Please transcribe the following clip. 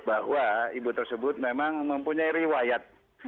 bahwa ibu tersebut memang mempunyai riwayat